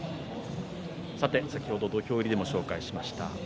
先ほど土俵入りでも紹介しました